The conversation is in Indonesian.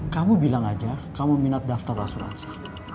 kamu bilang aja kamu minat daftar asuransi